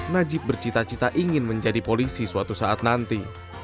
najib bercita cita ingin menjadi polisi suatu saat nanti